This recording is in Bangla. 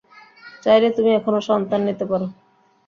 চাইলে তুমি এখনো সন্তান নিতে পার।